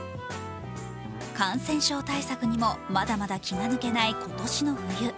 感染症対策にも、まだまだ気が抜けない今年の冬。